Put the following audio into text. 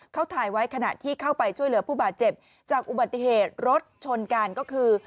เขาถ่ายไว้ขณะที่เข้าไปช่วยเหลือผู้บาดเจ็บจากอุบัติเหตุรถชนกันก็คือ